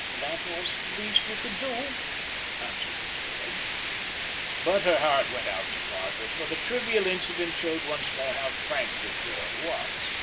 "That was the least you could do," answered Miss Boyd. But her heart went out to Margaret, for the trivial incident showed once more how frank the girl was.